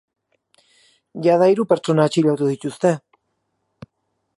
Jada hiru pertsona atxilotu dituzte.